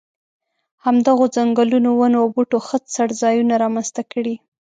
همدغو ځنګلونو ونو او بوټو ښه څړځایونه را منځته کړي.